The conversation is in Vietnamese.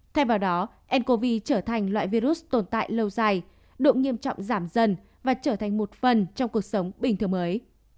thay vào đó ncov trở thành loại virus tồn tại lâu dài độ nghiêm trọng giảm dần và trở thành một phần trong cuộc sống bình thường mới